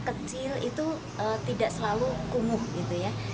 kecil itu tidak selalu kumuh gitu ya